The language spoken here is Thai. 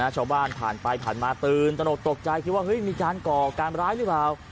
ชาวบ้านผ่านไปผ่านมาตื่นตนกตกใจคิดว่ามีการก่อการร้ายหรือเปล่า